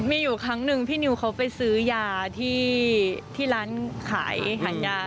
มีอยู่ครั้งหนึ่งพี่นิวเขาไปซื้อยาที่ร้านขายอาหารยา